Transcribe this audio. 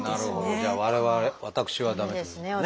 じゃあ我々私は駄目ってことですね。